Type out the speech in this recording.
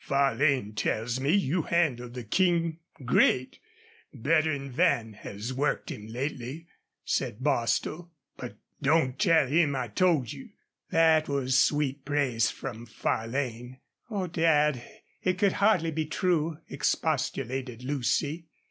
"Farlane tells me you handled the King great better 'n Van has worked him lately," said Bostil. "But don't tell him I told you." That was sweet praise from Farlane. "Oh, Dad, it could hardly be true," expostulated Lucy.